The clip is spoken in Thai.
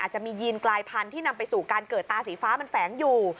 จะมียีนกลายพันธุ์ที่นำไปสู่การเกิดตาสีฟ้ามันแฝงอยู่